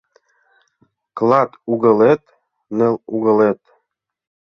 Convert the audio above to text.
Клат угылет — ныл угылет